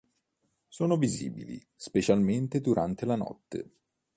Sono visibili specialmente durante la notte.